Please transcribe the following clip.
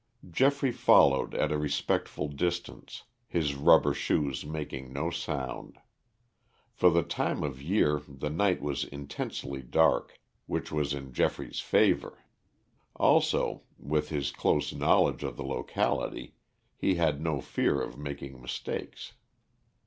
Geoffrey followed at a respectful distance, his rubber shoes making no sound. For the time of year the night was intensely dark, which was in Geoffrey's favor. Also, with his close knowledge of the locality, he had no fear of making mistakes.